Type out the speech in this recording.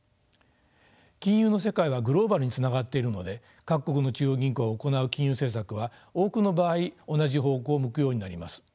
金融の世界はグローバルにつながっているので各国の中央銀行が行う金融政策は多くの場合同じ方向を向くようになります。